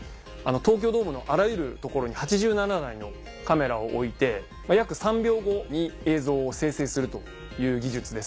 東京ドームのあらゆる所に８７台のカメラを置いて約３秒後に映像を生成するという技術です。